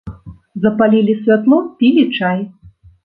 Запалілі святло, пілі чай.